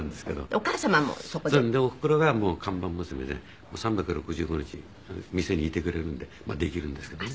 お母様もそこで？でおふくろが看板娘で３６５日店にいてくれるんでまあできるんですけどね。